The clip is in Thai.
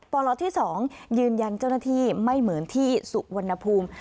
ปลที่๒ยืนยันเจ้าหน้าที่ไม่เหมือนที่สุวรรณภูมิ